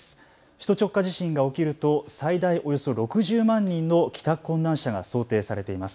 首都直下地震が起きると最大およそ６０万人の帰宅困難者が想定されています。